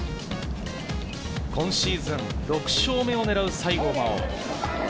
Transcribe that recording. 今シーズン６勝目を狙う西郷真央。